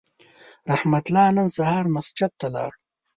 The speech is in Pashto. رحمت الله نن سهار مسجد ته لاړ